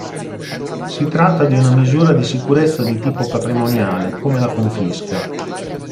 Si tratta di una misura di sicurezza di tipo patrimoniale, come la confisca.